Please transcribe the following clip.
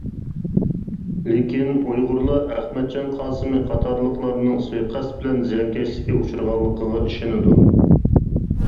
لېكىن، ئۇيغۇرلار ئەخمەتجان قاسىمى قاتارلىقلارنىڭ سۇيىقەست بىلەن زىيانكەشلىككە ئۇچرىغانلىقىغا ئىشىنىدۇ.